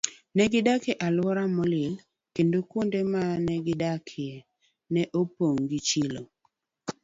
Ne gidak e alwora molil, kendo kuonde ma ne gidakie ne opong' gi chilo.